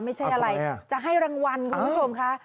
ไม่ใช่อะไรจะให้รางวัลคุณผู้ชมค่ะ